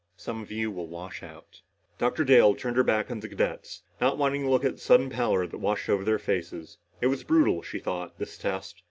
Some of you will wash out." Dr. Dale turned her back on the cadets, not wanting to look at the sudden pallor that washed over their faces. It was brutal, she thought, this test.